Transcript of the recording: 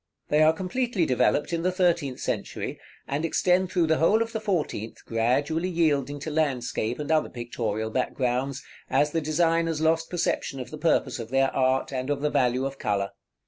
They are completely developed in the thirteenth century, and extend through the whole of the fourteenth gradually yielding to landscape, and other pictorial backgrounds, as the designers lost perception of the purpose of their art, and of the value of color.